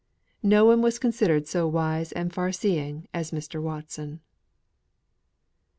No one was considered so wise and far seeing as Mr. Watson.